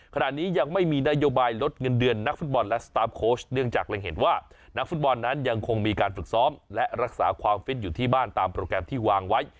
ขณะนี้ยังไม่มีนโยบายลดเงินเดือนนักฟุตบอลและสตาร์ฟโค้ชเนื่องจากเร็งเห็นว่านักฟุตบอลนั้นยังคงมีการฝึกซ้อมและรักษาความฟิตอยู่ที่บ้านตามโปรแกรมที่วางไว้